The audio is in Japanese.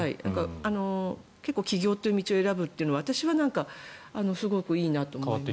結構、起業という道を選ぶというのは私はすごくいいなと。